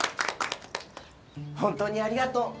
本当にありがとう。